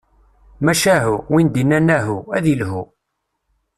Macahu, win d-innan ahu, ad ilhu.